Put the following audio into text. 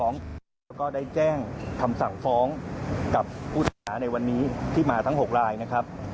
แล้วก็ได้แจ้งคำสั่งฟ้องกับผู้ต้องหาในวันนี้ที่มาทั้ง๖รายนะครับ